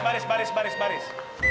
baris baris baris baris